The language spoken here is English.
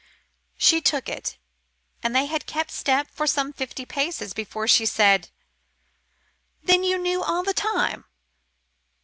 She took it, and they had kept step for some fifty paces before she said "Then you knew all the time?"